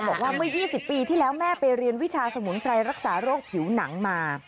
บอกว่าเมื่อ๒๐ปีที่แล้วแม่ไปเรียนวิชาสมุนไพรรักษาโรคผิวหนังมา